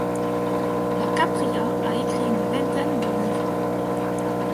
La Capria a écrit une vingtaine de livres.